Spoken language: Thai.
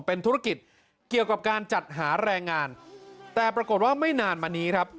เป็นธุรกิจเกี่ยวกับการจัดหาแรงงานแต่ปรากฏว่าไม่นานมานี้ครับ